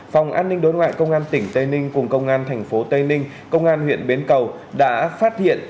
phòng an ninh đối ngoại công an tỉnh tây ninh cùng công an thành phố tây ninh công an huyện bến cầu đã phát hiện